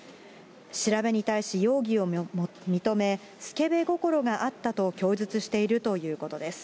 調べに対し容疑を認め、スケベ心があったと供述しているということです。